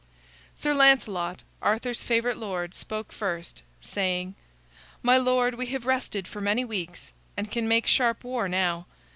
Sir Lancelot, Arthur's favorite lord, spoke first, saying: "My lord, we have rested for many weeks, and can make sharp war now.